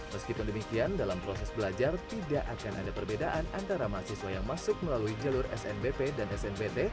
meskipun demikian dalam proses belajar tidak akan ada perbedaan antara mahasiswa yang masuk melalui jalur snbp dan snbt